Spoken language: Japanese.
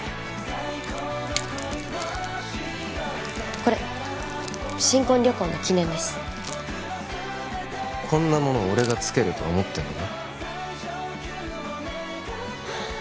これ新婚旅行の記念ですこんなものを俺がつけると思ってんのか？